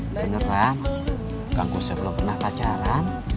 beneran kang kusoy belum pernah pacaran